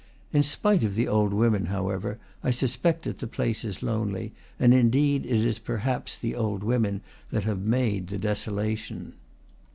In spite of the old women, however, I suspect that the place is lonely; and in deed it is perhaps the old women that have made the desolation.